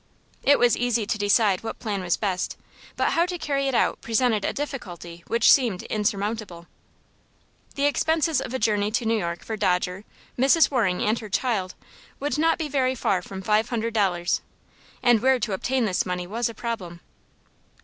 It was easy to decide what plan was best, but how to carry it out presented a difficulty which seemed insurmountable. The expenses of a journey to New York for Dodger, Mrs. Waring and her child would not be very far from five hundred dollars, and where to obtain this money was a problem.